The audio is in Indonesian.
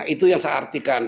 itu yang saya artikan